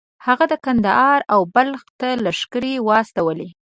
هغه کندهار او بلخ ته لښکرې واستولې.